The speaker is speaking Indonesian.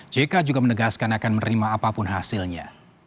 jk juga menegaskan akan menerima apapun hasilnya